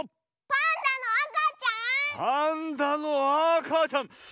パンダのあかちゃん。